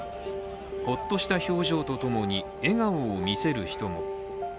ホッとした表情とともに笑顔を見せる人も。